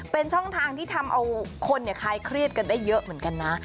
เป็นช่องทางที่ทำเอาคนคลายเครียดกันได้เยอะเหมือนกันนะ